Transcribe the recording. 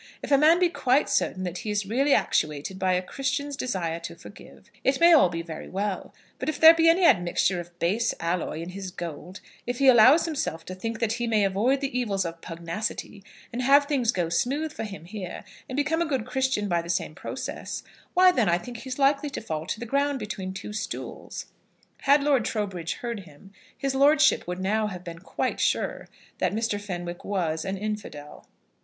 If a man be quite certain that he is really actuated by a Christian's desire to forgive, it may be all very well; but if there be any admixture of base alloy in his gold, if he allows himself to think that he may avoid the evils of pugnacity, and have things go smooth for him here, and become a good Christian by the same process, why then I think he is likely to fall to the ground between two stools." Had Lord Trowbridge heard him, his lordship would now have been quite sure that Mr. Fenwick was an infidel.